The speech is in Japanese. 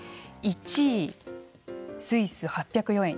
１位スイス、８０４円。